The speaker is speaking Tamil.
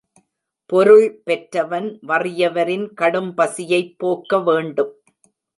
பொருள் பெற்றவன் வறியவரின் கடும்பசியைப் போக்க வேண்டும்.